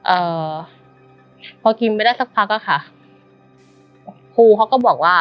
เอ่อพอกินไปได้สักพักอ่ะค่ะครูเขาก็บอกว่า